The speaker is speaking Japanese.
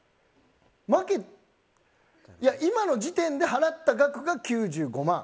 負けいや今の時点で払った額が９５万。